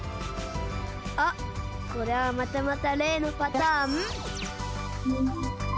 あっこれはまたまたれいのパターン？